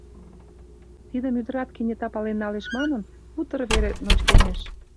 Тидым ӱдырат кенета пален налеш манын, утыр веле ночкемеш.